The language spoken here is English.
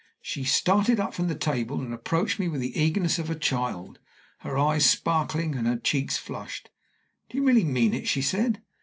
She started up from the table, and approached me with the eagerness of a child, her eyes sparkling, and her cheeks flushed. "Do you really mean it?" she said.